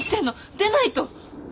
出ないと！